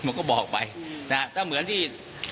ผมก็บอกไปแต่เหมือนที่